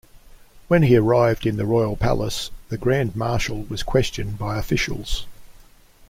When he arrived in the royal palace, the Grand Marshal was questioned by officials.